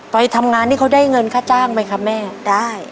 ไปทำงานนี่เขาได้เงินค่าจ้างไหมครับแม่ได้